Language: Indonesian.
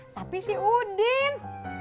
tapi si udin